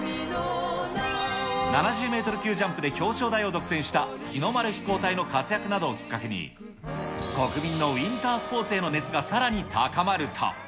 ７０メートル級ジャンプで表彰台を独占した日の丸飛行隊の活躍などをきっかけに、国民のウインタースポーツへの熱がさらに高まると。